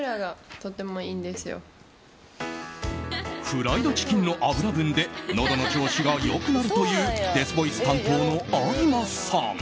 フライドチキンの油分でのどの感触が良くなるというデスボイス担当の有馬さん。